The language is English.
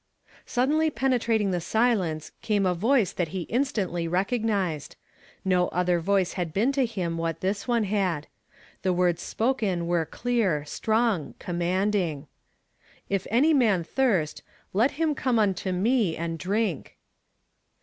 Suddenly penetrating the silence came a voice that he instantly recognized ; no other voice had been to him what this one had. The words spoken were clear, strong, connnanding :—" If any man thirst, let him come unto me, and drink."